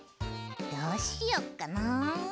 どうしよっかな。